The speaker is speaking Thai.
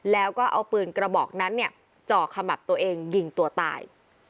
แล้วก็เอาปืนกระบอกนั้นจ่อขมับตัวเองยิงตัวตาย